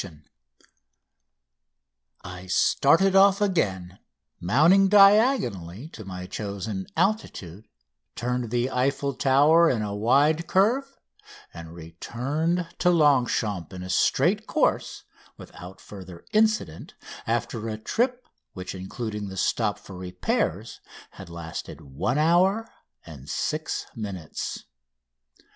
[Illustration: "No. 5." RETURNING FROM THE EIFFEL TOWER] I started off again, mounting diagonally to my chosen altitude, turned the Eiffel Tower in a wide curve, and returned to Longchamps in a straight course without further incident after a trip which, including the stop for repairs, had lasted one hour and six minutes.